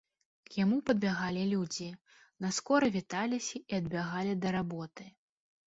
К яму падбягалі людзі, наскора віталіся і адбягалі да работы.